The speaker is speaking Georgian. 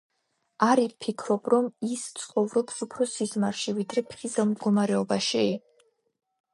არ ფიქრობ რომ ის ცხოვრობს უფრო სიზმარში, ვიდრე ფხიზელ მდგომარეობაში?